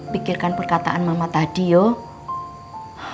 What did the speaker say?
pikirkan perkataan mama tadi yoh